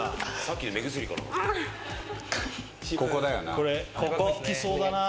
これ引きそうだな。